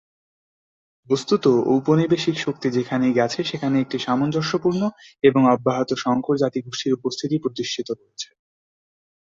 বস্তুত, উপনিবেশিক শক্তি যেখানেই গেছে সেখানেই একটি সামঞ্জস্যপূর্ণ এবং অব্যাহত সংকর জাতিগোষ্ঠীর উপস্থিতি প্রতিষ্ঠিত করেছে।